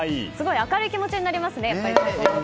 明るい気持ちになりますね。